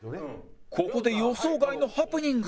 ここで予想外のハプニング！